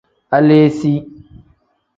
Aleesi.